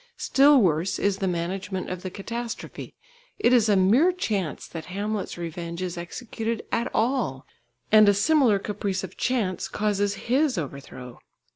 Still worse is the management of the catastrophe. It is a mere chance that Hamlet's revenge is executed at all, and a similar caprice of chance causes his overthrow.